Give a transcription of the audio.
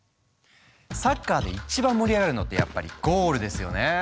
サッカーで一番盛り上がるのってやっぱりゴールですよね！